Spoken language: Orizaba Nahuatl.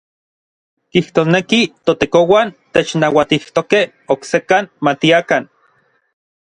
Kijtosneki ToTekouan technauatijtokej oksekan matiakan.